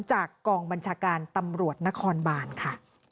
จากกองบัญชาการตำรวจนครบานค่ะ